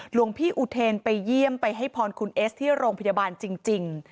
หลวงพี่อุเทนไปเยี่ยมไปให้พรคุณเอสที่โรงพยาบาลจริง